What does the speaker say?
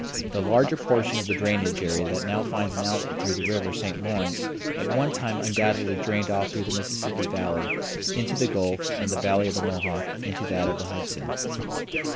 The larger portion of the drainage area that now finds an outlet through the River St. Lawrence at one time undoubtedly drained off through the Mississippi Valley into the Gulf and the Valley of the Mohawk into that of the Hudson.